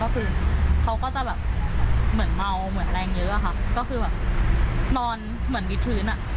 ก็คือเขาก็จะแบบเหมือนเมาเหมือนแรงเยอะอะค่ะก็คือแบบนอนเหมือนวิทพื้นอ่ะ